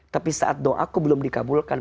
tapi saat doaku belum dikabulkan